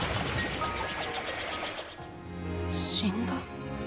・死んだ？